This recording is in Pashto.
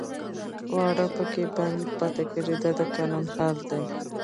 واړه پکې بند پاتې کېږي دا د قانون حال دی.